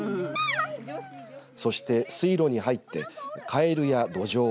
そして水路に入ってカエルやドジョウ